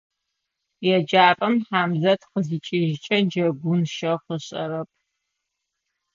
ЕджапӀэм Хьамзэт къызикӀыжькӀэ, джэгун щэхъу ышӀэрэп.